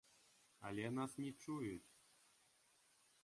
Але нас не чуюць!